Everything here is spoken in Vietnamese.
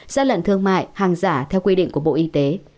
gian lận thương mại hàng giả theo quy định của bộ y tế